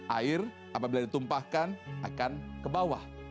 air apabila ditumpahkan akan ke bawah